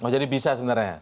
jadi bisa sebenarnya